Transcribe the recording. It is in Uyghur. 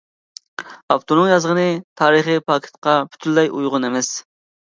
ئاپتورنىڭ يازغىنى تارىخى پاكىتقا پۈتۈنلەي ئۇيغۇن ئەمەس.